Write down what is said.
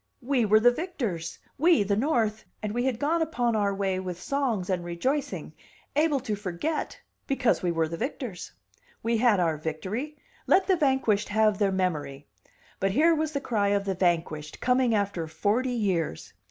We were the victors, we the North, and we had gone upon our way with songs and rejoicing able to forget, because we were the victors. We had our victory; let the vanquished have their memory. But here was the cry of the vanquished, coming after forty years.